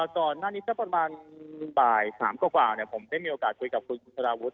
ตอนนั้นนี้ประมาณบ่าย๓กว่าผมได้มีโอกาสคุยกับคุณสลาวุธ